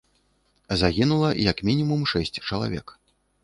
Загінула як мінімум шэсць чалавек.